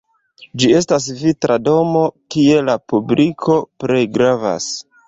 Ĝi estas vitra domo, kie la publiko plej gravas.